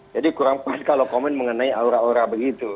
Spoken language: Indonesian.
jadi kurang pas kalau komen mengenai aura aura begitu